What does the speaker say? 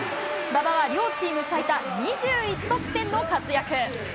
馬場は両チーム最多２１得点の活躍。